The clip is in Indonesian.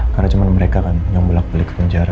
karena cuma mereka kan yang belak belik ke penjara